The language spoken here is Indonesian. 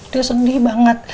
dia sedih banget